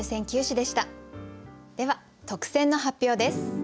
では特選の発表です。